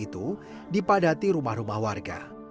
itu dipadati rumah rumah warga